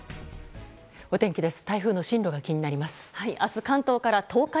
お天気です。